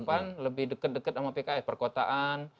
pan lebih dekat dekat sama pks perkotaan